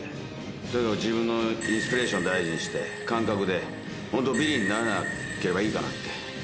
とにかく自分のインスピレーション大事にして、感覚で、本当、ビリにならなければいいかなって。